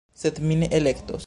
Sed mi ne elektos